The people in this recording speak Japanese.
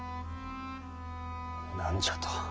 何じゃと。